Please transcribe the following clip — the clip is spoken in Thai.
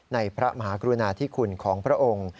พระมหากรุณาธิคุณของพระองค์